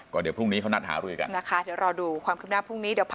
ก่อนเดี๋ยวพรุ่งนี้เขานัดหารุยกันนะคะเดี๋ยวรอดูความคิดหน้าพรุ่งนี้